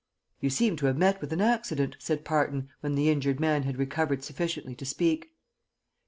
"You seem to have met with an accident," said Parton, when the injured man had recovered sufficiently to speak.